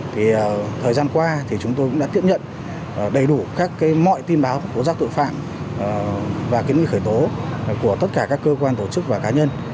thì thời gian qua thì chúng tôi cũng đã tiếp nhận đầy đủ các mọi tin báo tố giác tội phạm và kiến nghị khởi tố của tất cả các cơ quan tổ chức và cá nhân